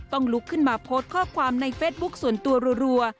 ลุกขึ้นมาโพสต์ข้อความในเฟซบุ๊คส่วนตัวรัว